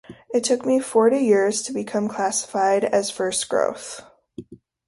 It took me forty years to become classified as First Growth!